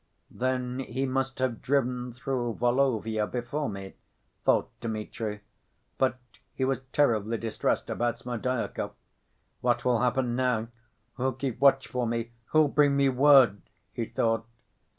"Then he must have driven through Volovya before me," thought Dmitri, but he was terribly distressed about Smerdyakov. "What will happen now? Who'll keep watch for me? Who'll bring me word?" he thought.